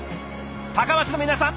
高松の皆さん